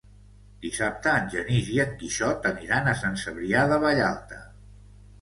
Dissabte en Genís i en Quixot aniran a Sant Cebrià de Vallalta.